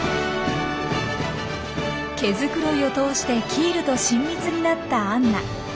毛づくろいを通してキールと親密になったアンナ。